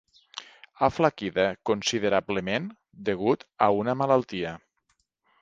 Aflaquida considerablement degut a una malaltia.